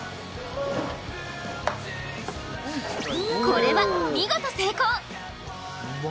これは見事成功！